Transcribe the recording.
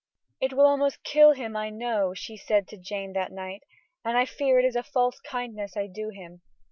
"It will almost kill him, I know," she said to Jane that night, "and I fear it is a false kindness I do him.